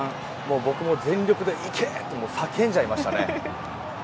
僕も全力で行け！と叫んじゃいましたね。